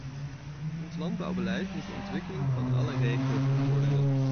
Ons landbouwbeleid moet de ontwikkeling van alle regio's bevorderen.